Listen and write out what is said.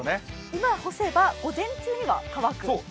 今干せば午前中には乾く。